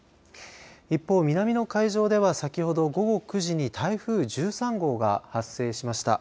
一方、南の海上では先ほど午後９時に台風１３号が発生しました。